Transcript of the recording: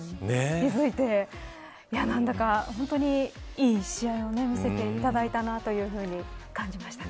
気付いて、何だか本当にいい試合を見せていただいたなというふうに感じましたね。